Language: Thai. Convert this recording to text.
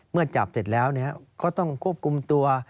เมื่อจับเสร็จแล้วเนี่ยเขาต้องควบคุมตัว